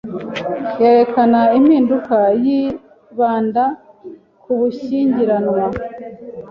yerekana impinduka yibanda kubushyingiranwa